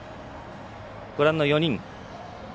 ご覧の４人。